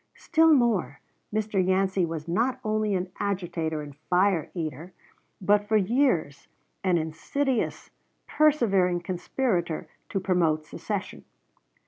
Still more, Mr. Yancey was not only an agitator and fire eater, but for years an insidious, persevering conspirator to promote secession.